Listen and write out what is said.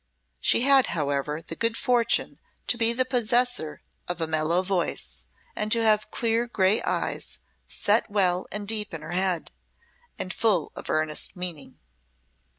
She had, however, the good fortune to be the possessor of a mellow voice, and to have clear grey eyes, set well and deep in her head, and full of earnest meaning.